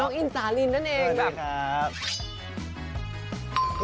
น้องอินสาลินนั่นเองสวัสดีครับ